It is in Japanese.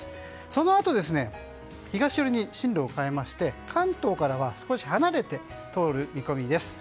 そのあと東寄りに進路を変えまして関東からは少し離れて通る見込みです。